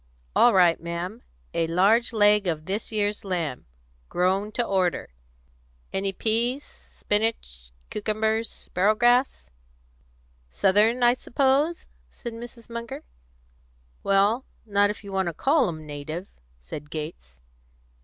"All right, ma'am; a large leg of this year's lamb grown to order. Any peas, spinnage, cucumbers, sparrowgrass?" "Southern, I suppose?" said Mrs. Munger. "Well, not if you want to call 'em native," said Gates.